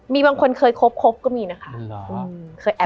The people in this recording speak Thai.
มีบางคนเคยคบก็มีนะคะ